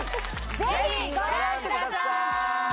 ぜひご覧ください！